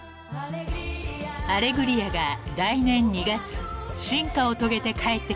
［『アレグリア』が来年２月進化を遂げて帰ってきます］